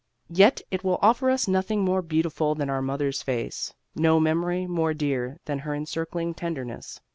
Yet it will offer us nothing more beautiful than our mother's face; no memory more dear than her encircling tenderness.